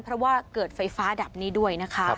เพราะว่าเกิดไฟฟ้าดับนี้ด้วยนะคะ